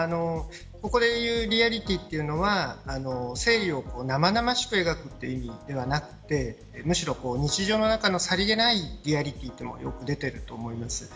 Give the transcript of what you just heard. ここでいうリアリティーというのは生理を生々しく描くという意味ではなくむしろ日常の中のさりげないリアリティーというものがよく出ていると思います。